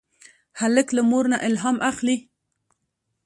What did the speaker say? هلک له مور نه الهام اخلي.